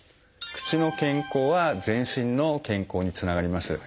口の健康は全身の健康につながります。